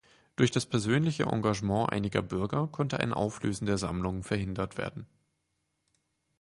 Durch das persönliche Engagement einiger Bürger konnte ein Auflösen der Sammlung verhindert werden.